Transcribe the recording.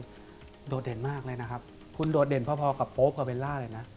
โดดเด่นมากเลยนะครับคุณโดดเด่นพอกับโป๊ปกับเบลล่าเลยนะ